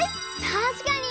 たしかに！